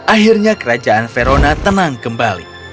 akhirnya kerajaan verona tenang kembali